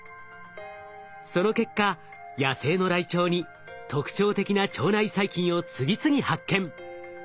その結果野生のライチョウに特徴的な腸内細菌を次々発見。